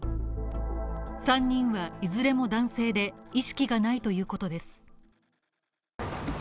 ３人はいずれも男性で、意識がないということです。